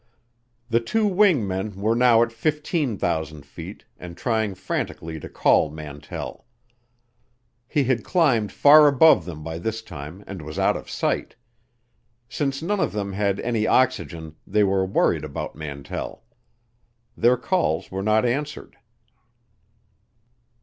The two wing men were now at 15,000 feet and trying frantically to call Mantell. He had climbed far above them by this time and was out of sight. Since none of them had any oxygen they were worried about Mantell. Their calls were not answered.